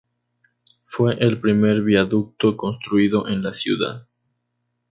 Fue el primer viaducto construido en la ciudad.